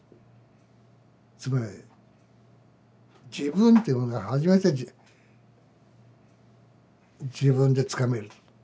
つまり自分ってものが初めて自分でつかめる。